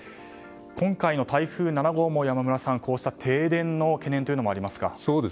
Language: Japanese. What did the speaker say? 今回の台風７号も山村さん、こうした停電の懸念もありますか。